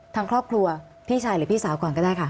ทางครอบครัวพี่ชายหรือพี่สาวก่อนก็ได้ค่ะ